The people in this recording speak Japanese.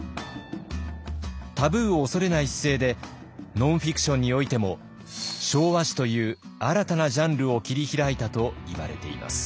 タブーを恐れない姿勢でノンフィクションにおいても昭和史という新たなジャンルを切り開いたといわれています。